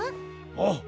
ああ！